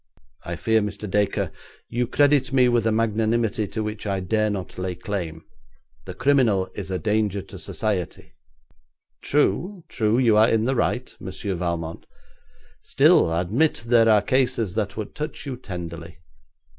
'I fear, Mr. Dacre, you credit me with a magnanimity to which I dare not lay claim. The criminal is a danger to society.' 'True, true, you are in the right, Monsieur Valmont Still, admit there are cases that would touch you tenderly.